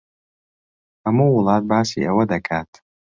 ھەموو وڵات باسی ئەوە دەکات.